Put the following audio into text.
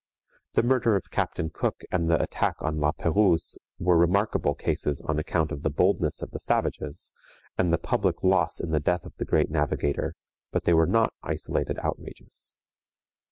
The murder of Captain Cook and the attack on La Perouse were remarkable cases on account of the boldness of the savages, and the public loss in the death of the great navigator, but they were not isolated outrages.